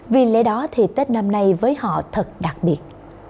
vì lẽ đó thì tết năm nay với họ thật đặc biệt